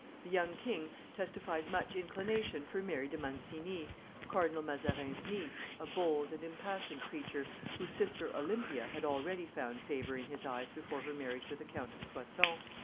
The young king testified much inclination for Mary de Mancini, Cardinal Mazarin's niece, a bold and impassioned creature, whose sister Olympia had already found favor in his eyes before her marriage with the Count of Soissons.